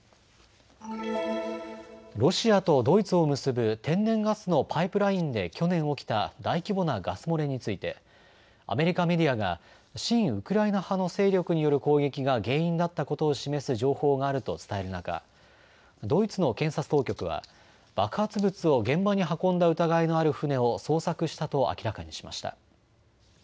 ロシアとドイツを結ぶ天然ガスのパイプラインで去年起きた大規模なガス漏れについてアメリカメディアが親ウクライナ派の勢力による攻撃が原因だったことを示す情報があると伝える中、ドイツの検察当局は爆発物を現場に運んだ疑いのある船を捜索したと明らかにしました。